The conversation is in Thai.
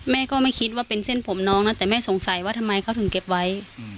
ก็ไม่คิดว่าเป็นเส้นผมน้องนะแต่แม่สงสัยว่าทำไมเขาถึงเก็บไว้